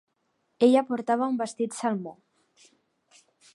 Ella portava un vestit salmó.